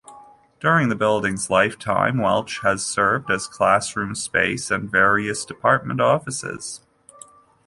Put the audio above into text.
During the building's lifetime, Welch has served as classroom space and various department offices.